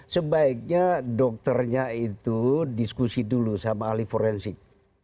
sebaiknya dokternya itu diskusi dulu sama ahli forensik